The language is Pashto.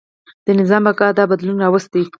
د نظام بقا دا بدلون راوستی.